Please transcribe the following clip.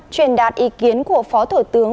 truyền đạt ý kiến của phó thủ tướng